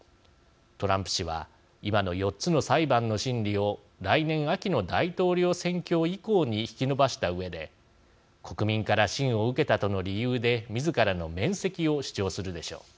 トランプ氏は今の４つの裁判の審理を来年秋の大統領選挙以降に引き延ばしたうえで国民から信を受けたとの理由でみずからの免責を主張するでしょう。